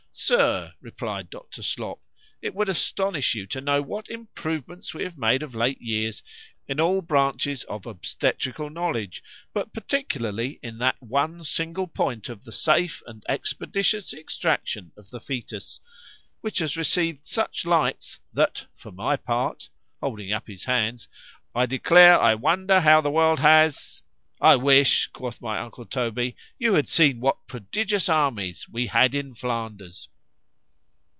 _—Sir, replied Dr. Slop, it would astonish you to know what improvements we have made of late years in all branches of obstetrical knowledge, but particularly in that one single point of the safe and expeditious extraction of the fœtus,——which has received such lights, that, for my part (holding up his hand) I declare I wonder how the world has——I wish, quoth my uncle Toby, you had seen what prodigious armies we had in _Flanders.